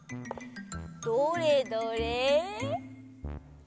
どれどれ？